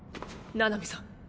七海さん。